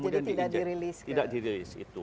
jadi tidak dirilis